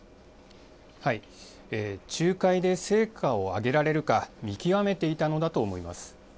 仲介で成果を上げられるか見極めていたのだと思います。